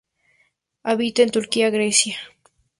Habita en Turquía Grecia.